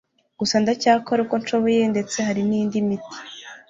Gusa ndacyakora uko nshoboye ndetse hari nindi miti